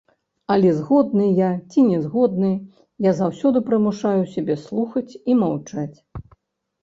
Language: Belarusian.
Але, згодны я ці не згодны, я заўсёды прымушаю сябе слухаць і маўчаць.